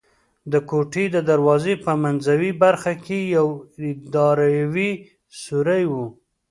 د کوټې د دروازې په منځوۍ برخه کې یو دایروي سوری و.